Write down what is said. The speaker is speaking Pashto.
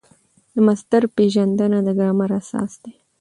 د مصدر پېژندنه د ګرامر اساس دئ.